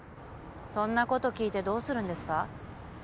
そんなこと聞いてどうするんですか？